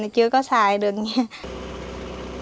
chưa có nguồn nước sạch